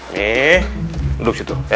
nih duduk situ ya